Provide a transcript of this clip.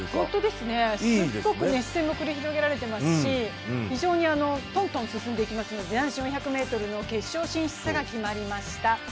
すごく熱戦も繰り広げられていますし非常にとんとん進んでいきますので男子４００ｍの決勝進出が決まりました。